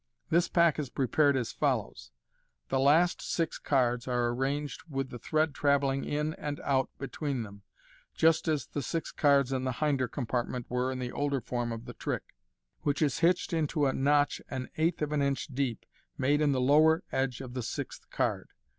This pack is prepared as follows :— The last six cards are Arranged with the thread travelling in and out between them, just «s the six cards in the hinder compartment were in the older form of the trick. A knot is made in the silk thread, which is hitched into a notch an eighth of an inch cbep, made in the lower edge of the sixth card.